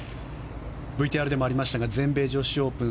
ＶＴＲでもありましたが全米女子オープン